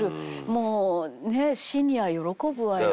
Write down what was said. もうシニア喜ぶわよ